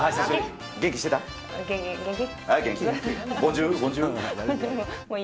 元気、元気？